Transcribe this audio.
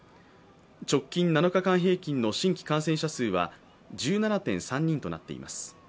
直近７日間平均の新規感染者数は１７．３人となっています。